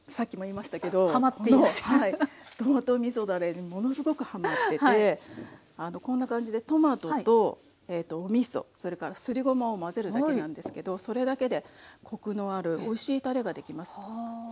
だれにものすごくはまっててこんな感じでトマトとおみそそれからすりごまを混ぜるだけなんですけどそれだけでコクのあるおいしいたれが出来ます。